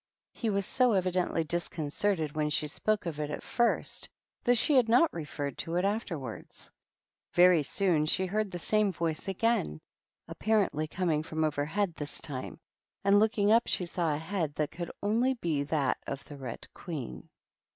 He was so evidently disconcerted when she spoke of it at first that she had not referred to it afterwards. Very soon she heard the same voice again, apparently coming from overhead this time, and looking up she saw a head that could only be that of the Red Queen.